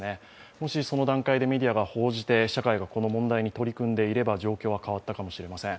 もしその段階でメディアが報じて社会がこの問題に取り組んでいれば、状況は変わったかもしれません。